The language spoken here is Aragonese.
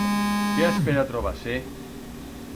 Qué aspera trobar-se?